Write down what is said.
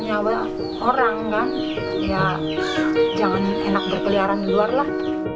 nyawa orang kan ya jangan enak berkeliaran di luar lah